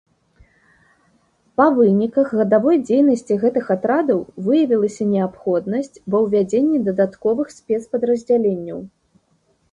Па выніках гадавой дзейнасці гэтых атрадаў выявілася неабходнасць ва ўвядзенні дадатковых спецпадраздзяленняў.